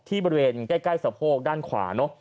ที่บริเวณใกล้สะโพกด้านขวา